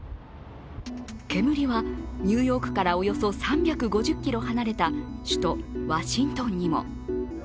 煙は、ニューヨークからおよそ３５０ｋｍ離れた首都ワシントンにも。